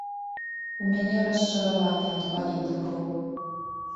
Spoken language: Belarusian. У мяне расчараванне ад палітыкаў.